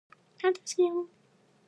あなたが好きよ